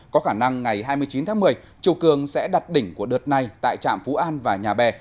có khả năng ngày hai mươi chín tháng một mươi chiều cường sẽ đặt đỉnh của đợt này tại trạm phú an và nhà bè